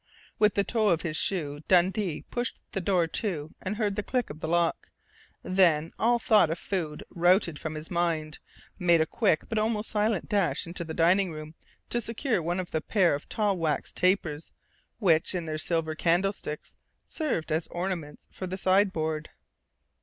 _ With the toe of his shoe Dundee pushed the door to and heard the click of the lock, then, all thought of food routed from his mind, made a quick but almost silent dash into the dining room to secure one of the pair of tall wax tapers, which, in their silver candlesticks, served as ornaments for the sideboard.